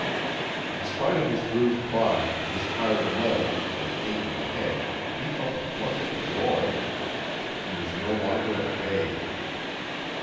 In spite of his bruised body, his tired legs, and aching head, he felt a flush of joy; he was no longer at bay.